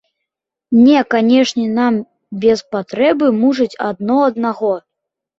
Не канешне нам без патрэбы мучыць адно аднаго.